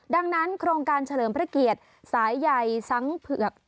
ดังนั้นโครงการเฉลิมพระเกียรติสายใหญ่สังเผือก